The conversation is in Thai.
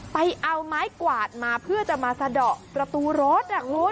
ไปเอาไม้กวาดมาเพื่อจะมาสะดอกประตูรถ